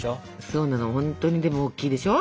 そうなのほんとにでもおっきいでしょ。